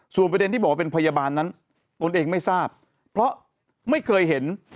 ส่วนประเด็นที่บอกว่าเป็นพยาบาลนั้นตนเองไม่ทราบเพราะไม่เคยเห็น